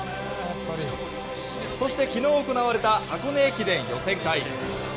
そして昨日行われた箱根駅伝予選会。